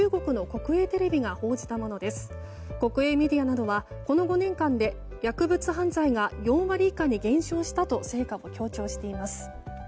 国営メディアなどはこの５年間などで薬物犯罪が４割以下に減少したと成果を強調しています。